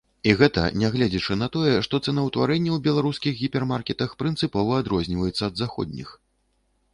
І гэта нягледзячы на тое, што цэнаўтварэнне ў беларускіх гіпермаркетах прынцыпова адрозніваецца ад заходніх.